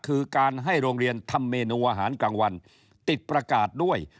คือการให้โรงเรียนทำเมนูอาหารกลางวันติดประกาศด้วย